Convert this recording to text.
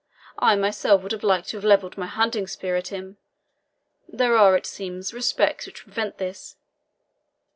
I myself would have liked to have levelled my hunting spear at him. There are, it seems, respects which prevent this.